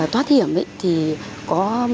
ở thoát hiểm ấy thì có